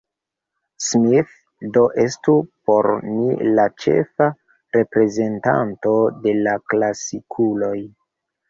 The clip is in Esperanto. Smith do estu por ni la ĉefa reprezentanto de la klasikuloj.